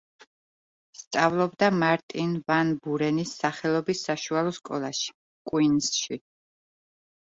სწავლობდა მარტინ ვან ბურენის სახელობის საშუალო სკოლაში, კუინზში.